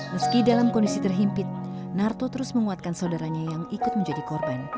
meski dalam kondisi terhimpit narto terus menguatkan saudaranya yang ikut menjadi korban